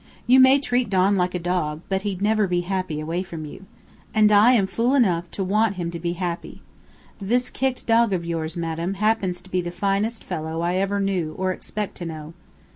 You may treat Don like a dog, but he'd never be happy away from you. And I am fool enough to want him to be happy. This kicked dog of yours, madame, happens to be the finest fellow I ever knew or expect to know."